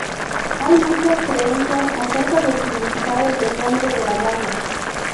Hay muchas creencias acerca del significado del nombre de la banda.